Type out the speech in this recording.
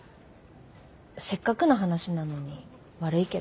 せっかくの話なのに悪いけど。